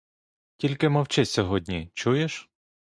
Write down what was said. Тільки мовчи сьогодні, чуєш?